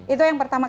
itu yang pertama